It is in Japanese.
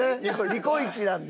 ニコイチなんで。